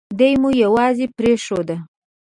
دای مو یوازې پرېښود.